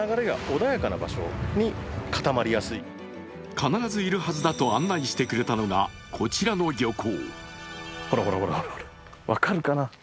必ずいるはずだと案内してくれたのがこちらの漁港。